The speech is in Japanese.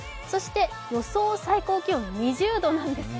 予想最高気温２０度なんですね。